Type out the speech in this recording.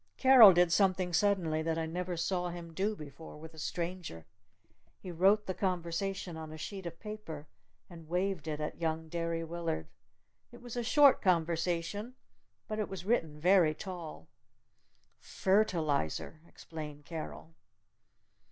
Carol did something suddenly that I never saw him do before with a stranger. He wrote a conversation on a sheet of paper and waved it at young Derry Willard. It was a short conversation. But it was written very tall. "Phertalizer!" explained Carol.